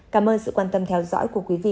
cảm ơn sự quan tâm theo dõi của quý vị